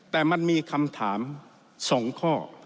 แต่มันมีคำถาม๒ข้อ